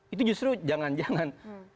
itu justru jangan jangan